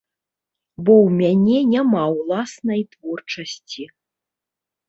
Бо ў мяне няма ўласнай творчасці.